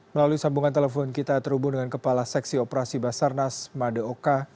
melalui sambungan telepon kita terhubung dengan kepala seksi operasi basarnas madeoka